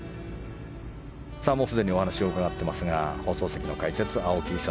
もうすでにお話を伺っていますが放送席の解説は青木功